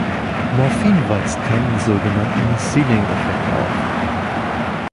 Morphin weist keinen sogenannten Ceiling-Effekt auf.